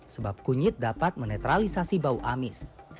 sebab kunyit dapat menetralisasi bau amis